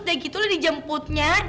gak suka juga i